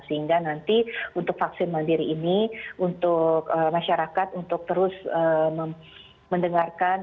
sehingga nanti untuk vaksin mandiri ini untuk masyarakat untuk terus mendengarkan